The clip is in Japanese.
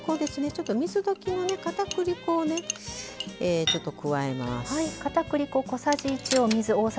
ちょっと水溶きのかたくり粉を加えます。